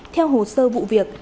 theo hồ sơ vụ việc